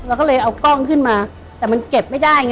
เราก็เลยเอากล้องขึ้นมาแต่มันเก็บไม่ได้ไง